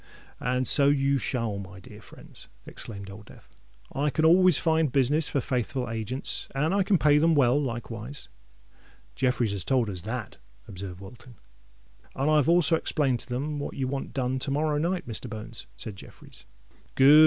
"And so you shall, my dear friends," exclaimed Old Death. "I can always find business for faithful agents—and I can pay them well likewise." "Jeffreys has told us that," observed Wilton. "And I've also explained to them what you want done to morrow night, Mr. Bones," said Jeffreys. "Good!"